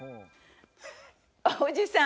おじさん！